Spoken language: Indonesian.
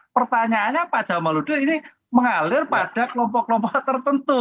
pertanyaannya pak jamaludin ini mengalir pada kelompok kelompok tertentu